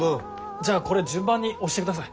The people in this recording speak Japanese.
じゃあこれ順番に押してください。